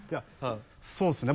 そうですね。